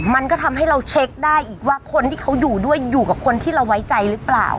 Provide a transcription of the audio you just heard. มันก็ทำให้เราเช็คได้อีกว่าคนที่เขาอยู่ด้วยอยู่กับคนที่เราไว้ใจหรือเปล่า